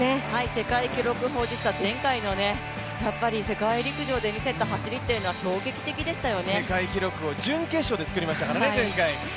世界記録保持者、前回の世界陸上で見せた走りというのは世界記録を準決勝でつくりましたからね、前回。